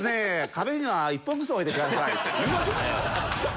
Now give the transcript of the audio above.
壁には一本糞を置いてください」って。